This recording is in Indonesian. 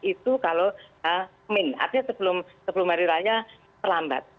itu kalau h artinya sebelum hari raya terlambat